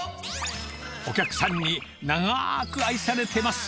お客さんに長く愛されてます！